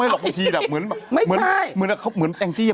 เรามี